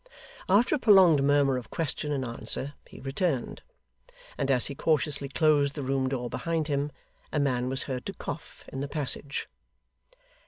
After a prolonged murmur of question and answer, he returned; and as he cautiously closed the room door behind him, a man was heard to cough in the passage.